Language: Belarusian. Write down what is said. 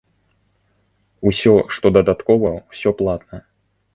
Усё, што дадаткова, усё платна.